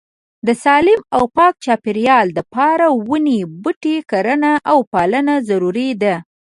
د سالیم او پاک چاپيريال د پاره وني بوټي کرنه او پالنه ضروري ده